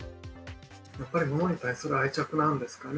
やっぱり物に対する愛着なんですかね。